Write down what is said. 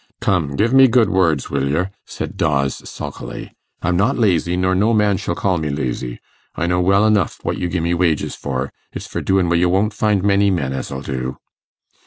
'Come, give me good words, will yer?' said Dawes, sulkily. 'I'm not lazy, nor no man shall call me lazy. I know well anuff what you gi' me wages for; it's for doin' what yer won't find many men as 'ull do.